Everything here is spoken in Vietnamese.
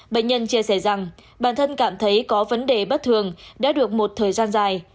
bệnh nhân chia sẻ rằng bản thân cảm thấy có vấn đề bất thường đã được một thời gian dài